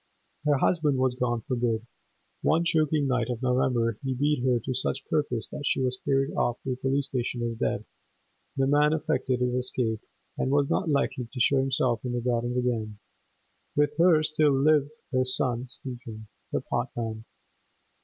Her husband was gone for good. One choking night of November he beat her to such purpose that she was carried off to the police station as dead; the man effected his escape, and was not likely to show himself in the Gardens again. With her still lived her son Stephen, the potman.